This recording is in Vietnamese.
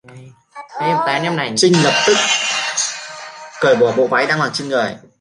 Trinh lập tức cởi bỏ bộ váy đang mặc trên người